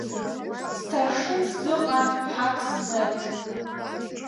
Сҭаршынс дыҟан Ҳаг Смел.